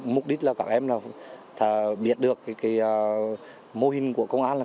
mục đích là các em biết được cái mô hình của công an